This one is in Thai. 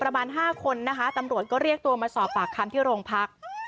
ประมาณ๕คนนะคะตำรวจก็เรียกตัวมาสอบปากคำที่โรงพัก